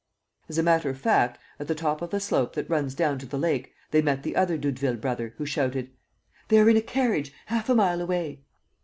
As a matter of fact, at the top of the slope that runs down to the lake, they met the other Doudeville brother, who shouted: "They are in a carriage ... half a mile away."